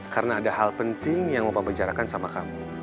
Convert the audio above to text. karena ada hal penting yang mau memperjarakan sama kamu